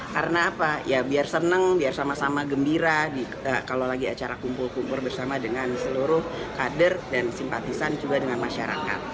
karena apa ya biar seneng biar sama sama gembira kalau lagi acara kumpul kumpul bersama dengan seluruh kader dan simpatisan juga dengan masyarakat